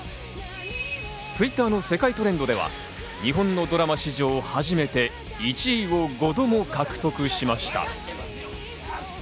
Ｔｗｉｔｔｅｒの世界トレンドでは日本のドラマ史上、初めて１位を５度も獲得しました。